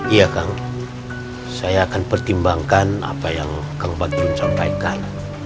iya kang saya akan pertimbangkan apa yang kembali mencarikan